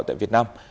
tại việt nam